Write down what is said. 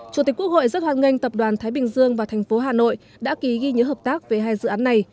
chủ tịch quốc hội rất hoàn nghênh tập đoàn thái bình dương và thành phố hà nội đã ký ghi nhớ hợp tác về hai dự án này